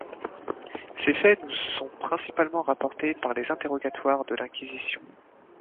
Ces faits nous sont principalement rapportés par les interrogatoires de l’Inquisition.